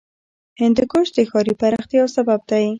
هندوکش د ښاري پراختیا یو سبب دی.